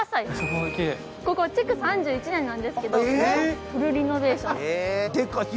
ここ築３１年なんですけど、フルリノベーションです。